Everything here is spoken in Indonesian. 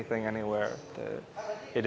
tidak seperti apa apa